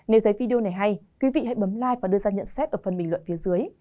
nếu thấy video này hay quý vị hãy bấm lai và đưa ra nhận xét ở phần bình luận phía dưới